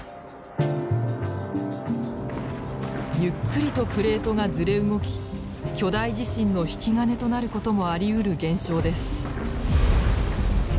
ゆっくりとプレートがずれ動き巨大地震の引き金となることもありうる現象です。